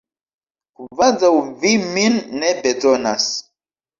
Kvazaŭ vi min ne bezonas.